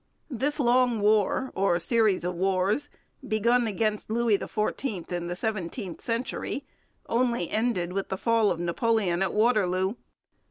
This long war, or series of wars, begun against Louis XIV in the seventeenth century, only ended with the fall of Napoleon at Waterloo.